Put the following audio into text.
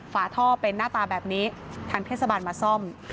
ฝาท่อเป็นหน้าตาแบบนี้ทางเทศบาลมาซ่อม